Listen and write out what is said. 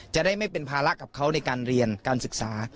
จะได้ไม่เป็นภาระกับเขาในการเรียนการศึกษา